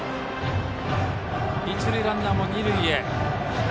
一塁ランナーも二塁へ。